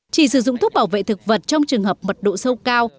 chỉ sử dụng thuốc bảo vệ thực vật trong trường hợp mật độ sâu cao